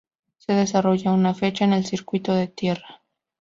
Se desarrolla una fecha, en el Circuito de tierra.